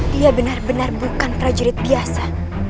dia benar benar bukan prajurit biasa